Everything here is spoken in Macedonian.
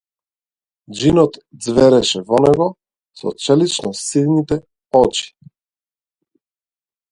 Џинот ѕвереше во него со челичносините очи.